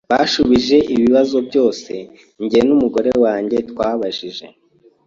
basubije ibibazo byose njye numugore wanjye twabajije.